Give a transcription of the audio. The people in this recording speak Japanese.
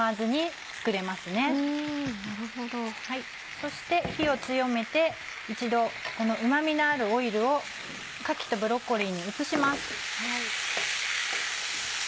そして火を強めて一度このうま味のあるオイルをかきとブロッコリーに移します。